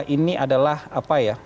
ini adalah apa ya